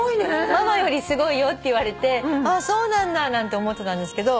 ママよりすごいよって言われてそうなんだなんて思ってたんですけど。